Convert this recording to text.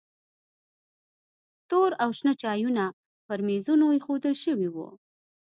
تور او شنه چایونه پر میزونو ایښودل شوي وو.